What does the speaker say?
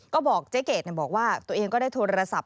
ก็บอกเจ๊เกดบอกว่าตัวเองก็ได้โทรศัพท์